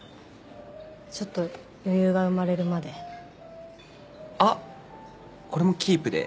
ちょっと余裕が生まれるまであっこれもキープで？